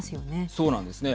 そうなんですね。